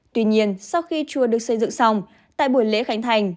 tuy nhiên sau khi chùa được xây dựng xong tại buổi lễ khánh thành